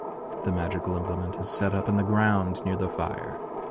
The magical implement is set up in the ground near the fire.